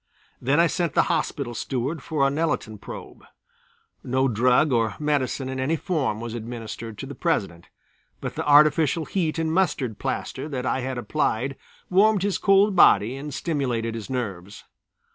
Then I sent the Hospital Steward for a Nelaton probe. No drug or medicine in any form was administered to the President, but the artificial heat and mustard plaster that I had applied warmed his cold body and stimulated his nerves.